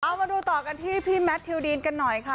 เอามาดูต่อกันที่พี่แมททิวดีนกันหน่อยค่ะ